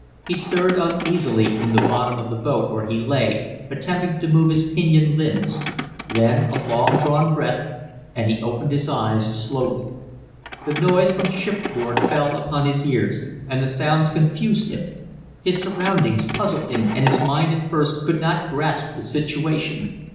He stirred uneasily in the bottom of the boat where he lay, attempting to move his pinioned limbs; then a long drawn breath, and he opened his eyes slowly. The noise from shipboard fell upon his ears, and the sounds confused him. His surroundings puzzled him and his mind at first could not grasp the situation.